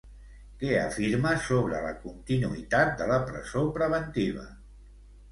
Què afirma sobre la continuïtat de la presó preventiva?